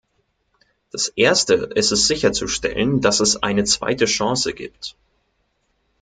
Das erste ist es sicherzustellen, dass es eine zweite Chance gibt.